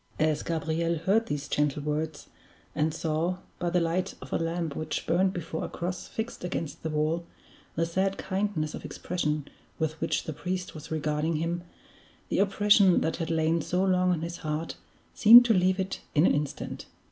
As Gabriel heard these gentle words, and saw, by the light of a lamp which burned before a cross fixed against the wall, the sad kindness of expression with which the priest was regarding him, the oppression that had lain so long on his heart seemed to leave it in an instant.